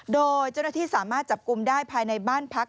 โดยเจ้าหน้าที่สามารถจับกลุ่มได้ภายในบ้านพัก